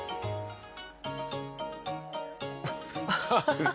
アハハハ。